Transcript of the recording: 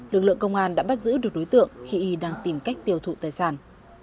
lực lượng công an đã bắt giữ được đối tượng khi y đang tìm cách tiêu thụ tài sản